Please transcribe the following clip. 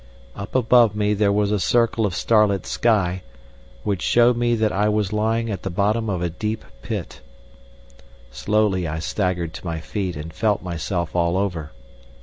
Up above me there was a circle of starlit sky, which showed me that I was lying at the bottom of a deep pit. Slowly I staggered to my feet and felt myself all over.